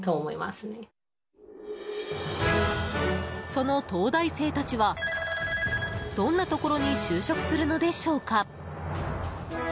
その東大生たちはどんなところに就職するのでしょうか？